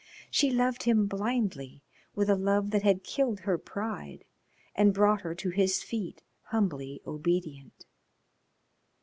She loved him blindly with a love that had killed her pride and brought her to his feet humbly obedient.